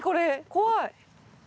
怖い。